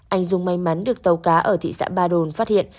anh dung may mắn được tàu cá ở thị xã ba đồn phát hiện